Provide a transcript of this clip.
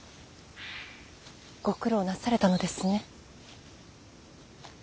ご苦労なされたのですね。